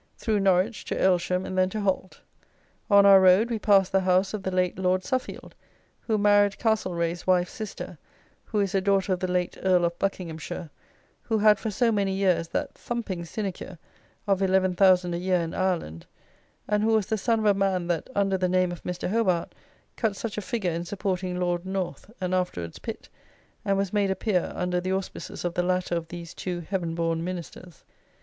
Through Norwich to Aylsham and then to Holt. On our road we passed the house of the late Lord Suffield, who married Castlereagh's wife's sister, who is a daughter of the late Earl of Buckinghamshire, who had for so many years that thumping sinecure of eleven thousand a year in Ireland, and who was the son of a man that, under the name of Mr. Hobart, cut such a figure in supporting Lord North and afterwards Pitt, and was made a peer under the auspices of the latter of these two heaven born Ministers.